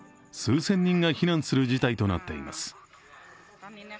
数千人が避難する事態となっています。